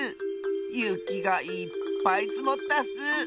ゆきがいっぱいつもったッス！